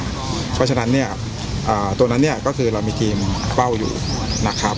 เพราะฉะนั้นเนี่ยตัวนั้นเนี่ยก็คือเรามีทีมเป้าอยู่นะครับ